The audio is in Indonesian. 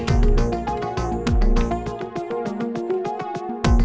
ya tuhan aku harus mulai dari mana